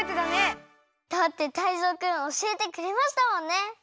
だってタイゾウくんおしえてくれましたもんね。